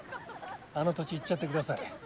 あの土地いっちゃってください。